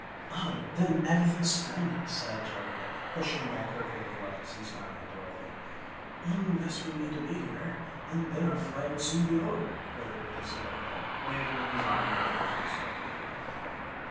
"Oh! Then everything's splendid!" sighed Jellia, pushing back her curly locks and smiling at Dorothy. "Unless we meet a meteor, and then our flight will soon be o'er," quavered the Scarecrow, waving his arm in a doleful circle.